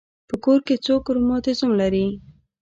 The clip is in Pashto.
په کور کې څوک رماتیزم لري.